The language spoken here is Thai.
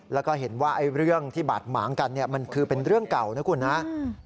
แล้วก็เห็นว่าเรื่องที่บาดหมางกันมันคือเป็นเรื่องเก่านะครับ